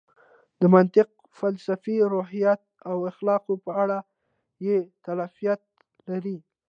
د منطق، فلسفې، روحیاتو او اخلاقو په اړه یې تالیفات لري.